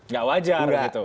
gak wajar gitu